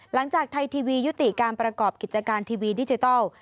หลังจากไทยทีวียุติการประกอบกิจการทีวีดิจิทัล